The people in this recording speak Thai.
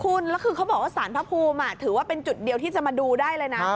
คุณแล้วคือเขาบอกว่าสารพระภูมิถือว่าเป็นจุดเดียวที่จะมาดูได้เลยนะ